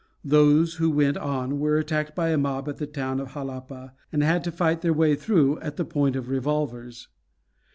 Those who went on were attacked by a mob at the town of Jalapa, and had to fight their way through at the point of revolvers.